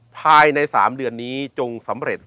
ภายใน๓เดือนนี้จงสำเร็จ